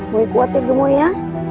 boleh kuatin kemu ya